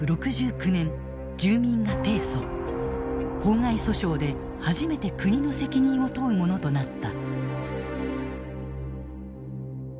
公害訴訟で初めて国の責任を問うものとなった。